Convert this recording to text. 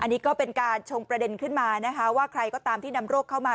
อันนี้ก็เป็นการชงประเด็นขึ้นมานะคะว่าใครก็ตามที่นำโรคเข้ามา